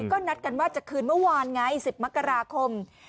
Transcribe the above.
ก็นัดกันว่าจะคืนเมื่อวานไง๑๐มกราคม